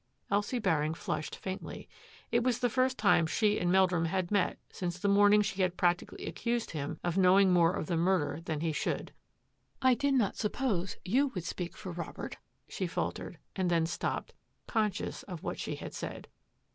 Elsie Baring flushed faintly. It was the first time she and Meldrum had met since the morning she had practically accused him of knowing more of the murder than he should. " I did not suppose yow would speak for Rob ert," she faltered, and then stopped, conscious of what she had said.